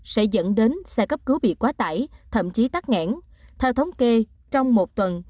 sẽ dẫn đến xe cấp cứu bị quá tải thậm chí tắt ngãn